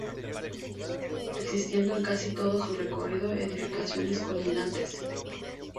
Existiendo en casi todo su recorrido edificaciones colindantes.